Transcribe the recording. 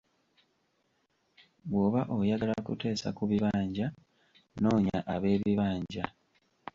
Bw’oba oyagala kuteesa ku bibanja, noonya ab’ebibanja.